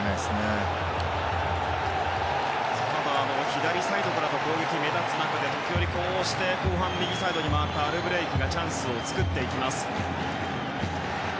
左サイドからの攻撃が目立つ中で時折、後半から右サイドに回ったアルブレイクがチャンスを作っていきます。